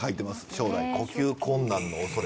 将来呼吸困難の恐れ。